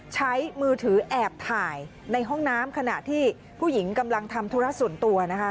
ใช้มือถือแอบถ่ายในห้องน้ำขณะที่ผู้หญิงกำลังทำธุระส่วนตัวนะคะ